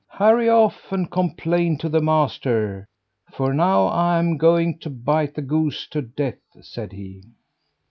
"Hurry off and complain to the master, for now I'm going to bite the goose to death!" said he.